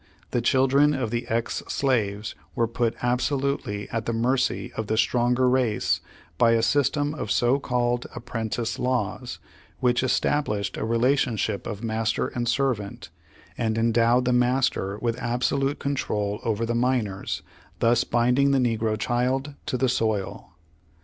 The child ren of the ex slaves were put absolutely at the mercy of the stronger race by a system of so called apprentice law^s which established a relationship of master and servant, and endowed the master with absolute control over the minors, thus bind ing the negro childien to the soil.